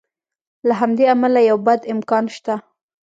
له همدې امله یو بد امکان شته.